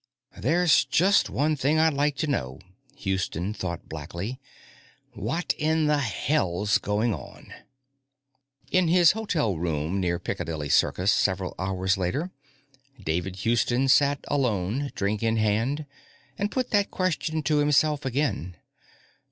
There's just one thing I'd like to know, Houston thought blackly. What in the hell's going on? In his hotel room near Piccadilly Circus, several hours later, David Houston sat alone, drink in hand, and put that same question to himself again.